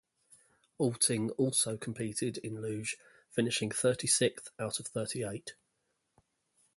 Alting also competed in luge, finishing thirty-sixth out of thirty-eight.